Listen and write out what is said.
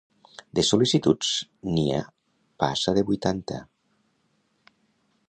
De sol·licituds, n'hi ha passa de vuitanta.